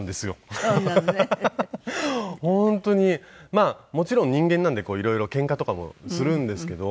まあもちろん人間なんで色々ケンカとかもするんですけど